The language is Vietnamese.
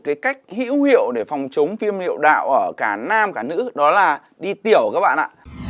cái cách hữu hiệu để phòng chống phim hiệu đạo ở cả nam cả nữ đó là đi tiểu các bạn ạ